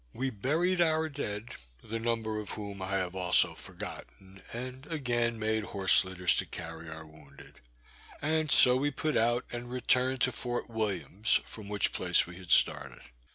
We buried our dead, the number of whom I have also forgotten; and again made horse litters to carry our wounded, and so we put out, and returned to Fort Williams, from which place we had started.